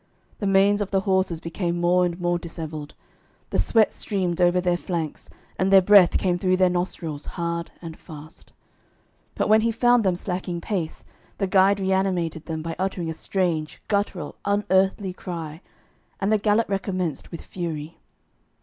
The manes of the horses became more and more dishevelled, the sweat streamed over their flanks, and their breath came through their nostrils hard and fast. But when he found them slacking pace, the guide reanimated them by uttering a strange, gutteral, unearthly cry, and the gallop recommenced with fury.